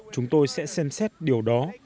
chúng tôi sẽ xem xét điều đó